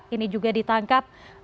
ini juga ditangkap